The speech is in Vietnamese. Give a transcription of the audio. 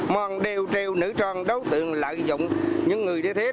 mong đều triều nữ trang đối tượng lợi dụng những người như thế